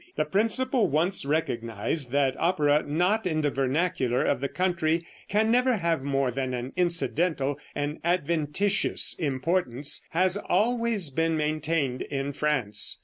The principle once recognized, that opera not in the vernacular of the country can never have more than an incidental and adventitious importance, has always been maintained in France.